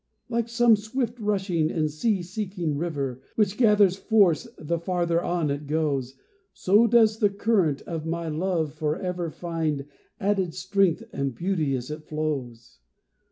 Like some swift rushing and sea seeking river, Which gathers force the farther on it goes, So does the current of my love forever Find added strength and beauty as it flows.